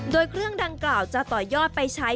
โดยเครื่องดังกล่าวจะต่อยอดไปใช้